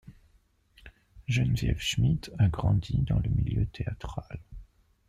Geneviève Schmidt a grandi dans le milieu théâtral.